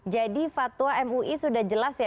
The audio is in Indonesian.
jadi fatwa mui sudah jelas ya